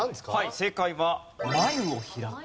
正解は眉を開く。